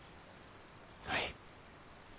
はい。